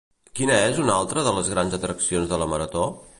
Quina és una altra de les grans atraccions de La Marató?